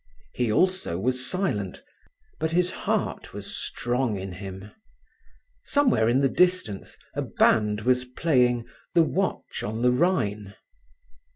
He also was silent, but his heart was strong in him. Somewhere in the distance a band was playing "The Watch on the Rhine".